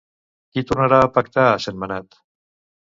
Qui tornarà a pactar a Sentmenat?